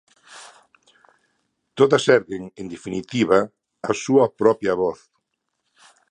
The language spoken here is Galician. Todas erguen, en definitiva, a súa propia voz.